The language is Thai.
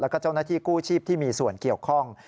แล้วก็เจ้าหน้าที่กู้ชีพที่มีส่วนเกี่ยวข้อง